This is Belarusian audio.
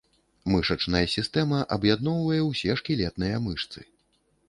Мышачная сістэма аб'ядноўвае ўсе шкілетныя мышцы.